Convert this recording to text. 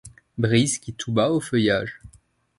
Brises qui tout bas aux feuillages